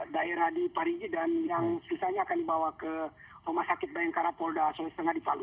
daerah di parigi dan yang sisanya akan dibawa ke rumah sakit bayangkara polda sulawesi tengah di palu